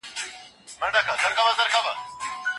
په کلیو کي د ښوونځیو د جوړولو لپاره د ځمکو ورکړه عامه نه وه.